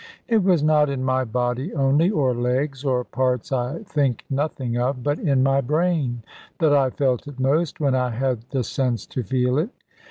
It was not in my body only, or legs, or parts I think nothing of, but in my brain that I felt it most, when I had the sense to feel it.